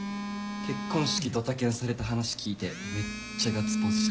結婚式ドタキャンされた話聞いてめっちゃガッツポーズしてましたし。